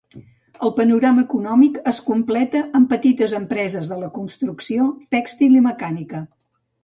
El panorama econòmic es completa amb petites empreses de la construcció, tèxtil i mecànica.